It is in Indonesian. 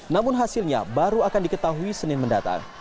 namun hasilnya baru akan diketahui senin mendatang